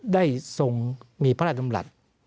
ได้ส่งมีพระราชนำรัฐ